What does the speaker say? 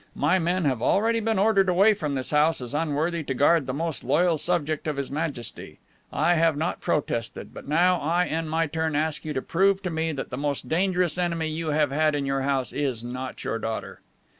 My men have already been ordered away from this house as unworthy to guard the most loyal subject of His Majesty; I have not protested, but now I in my turn ask you to prove to me that the most dangerous enemy you have had in your house is not your daughter."